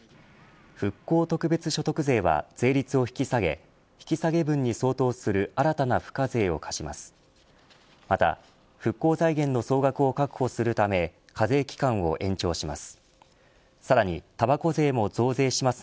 復興特別所得税は税率を引き下げ引き下げ分に相当する新たな付加税を課します。